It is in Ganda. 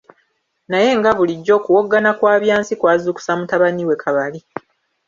Naye nga bulijjo, okuwoggana kwa Byansi kwazukusa mutabani we Kabali.